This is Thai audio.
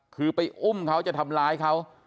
คือไปอุ้มเขาจะทำร้ายเขา